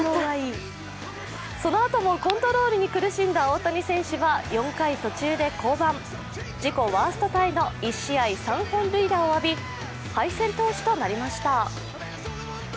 そのあともコントロールに苦しんだ大谷選手は４回途中で降板自己ワーストタイの１試合３本塁打を浴び敗戦投手となりました。